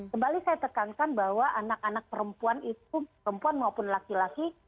kembali saya tekankan bahwa anak anak perempuan itu perempuan maupun laki laki